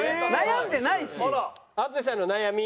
淳さんの悩み。